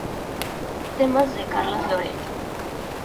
Temas de Carlos Loret